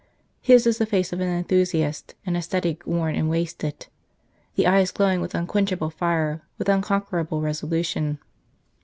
His is the face of an enthusiast, an ascetic worn and wasted, the eyes glowing with unquenchable fire, with unconquerable resolution.